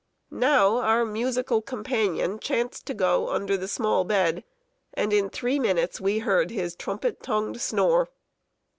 Now, our musical companion chanced to go under the small bed, and in three minutes we heard his trumpet tongued snore.